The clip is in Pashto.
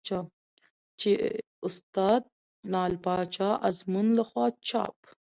چې استاد لعل پاچا ازمون له خوا چاپ